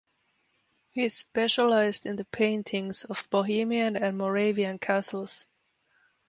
He specialized in the paintings of Bohemian and Moravian castles.